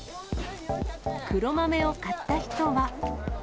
黒豆を買った人は。